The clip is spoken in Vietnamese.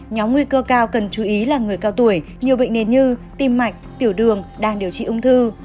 nhóm nguy cơ cao cần chú ý là người cao tuổi nhiều bệnh nền như tim mạch tiểu đường đang điều trị ung thư